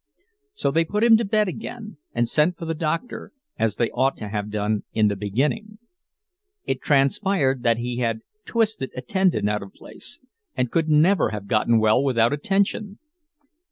So they put him to bed again, and sent for the doctor, as they ought to have done in the beginning. It transpired that he had twisted a tendon out of place, and could never have gotten well without attention.